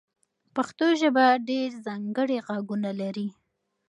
پښتو ژبه ډېر ځانګړي غږونه لري.